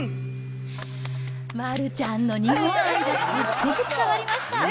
丸ちゃんの日本愛がすっごく伝わりました。